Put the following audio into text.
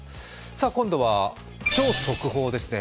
今度は超速報ですね。